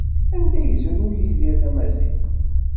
Anda ay yezrew Yidir tamaziɣt?